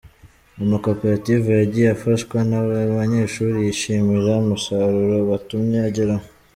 Amakoperative yagiye afashwa n’aba banyeshuri yishimira umusaruro batumye ageraho.